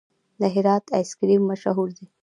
د هرات آیس کریم مشهور دی؟